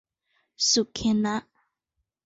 สุเขนะ